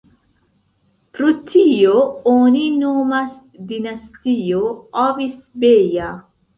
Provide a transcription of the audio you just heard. Pro tio oni nomas Dinastio Avis-Beja.